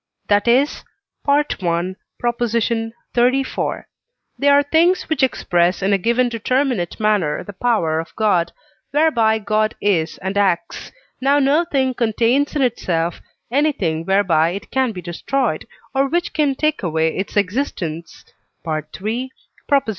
that is, (I. xxxiv.), they are things which express in a given determinate manner the power of God, whereby God is and acts; now no thing contains in itself anything whereby it can be destroyed, or which can take away its existence (III.